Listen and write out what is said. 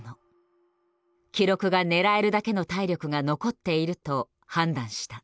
記録が狙えるだけの体力が残っていると判断した。